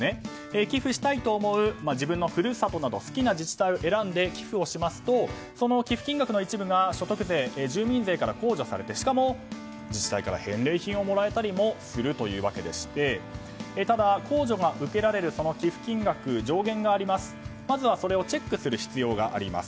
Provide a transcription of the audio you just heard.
寄付したいと思う自分の故郷など好きな自治体を選んで寄付しますとその寄付金額の一部が所得税・住民税から控除されてしかも自治体から返礼品がもらえたりもするというわけでしてただ、控除が受けられるその寄付金額には上限がありチェックする必要があります。